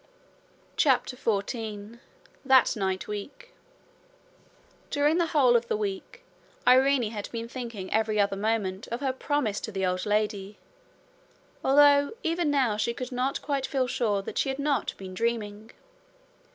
CHAPTER 14 That Night Week During the whole of the week Irene had been thinking every other moment of her promise to the old lady, although even now she could not feel quite sure that she had not been dreaming.